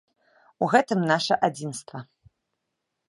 У гэтым наша адзінства.